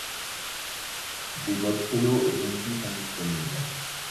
Des modes solo et multi sont disponibles.